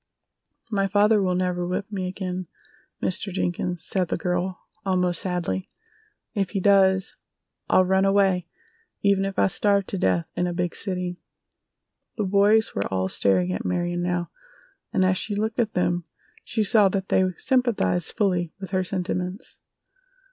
"My father will never whip me again, Mr. Jenkins," said the girl, almost sadly. "If he does I'll run away, even if I starve to death in a big city." The boys were all staring at Marion now, and as she looked at them she saw that they sympathized fully with her sentiments.